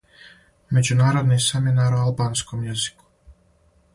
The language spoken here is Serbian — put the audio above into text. Међународни семинар о албанском језику.